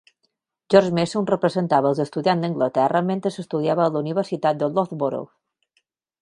George Messum representava els estudiants d'Anglaterra mentre estudiava a la Universitat de Loughborough.